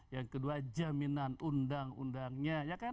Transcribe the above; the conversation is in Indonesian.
yang kedua jaminan undang undangnya